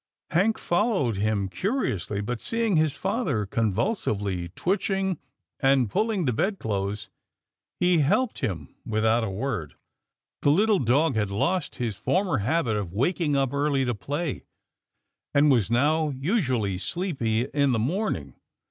Hank followed him curiously, but, seeing his father convulsively twitching and pulling the bed clothes, he helped him without a word. The little dog had lost his former habit of wak ing up early to play, and was now usually sleepy 168 'TILDA JANE'S ORPHANS in the morning.